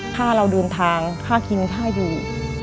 ถ้าเราเดินทางค่ากินค่าอยู่